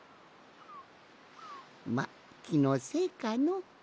まっきのせいかの。